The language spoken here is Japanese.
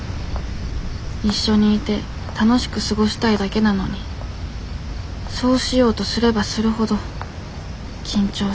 一緒にいて楽しく過ごしたいだけなのにそうしようとすればするほど緊張した。